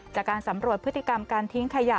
จากการสำรวจพฤติกรรมการทิ้งขยะ